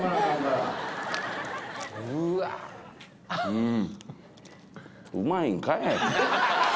うん。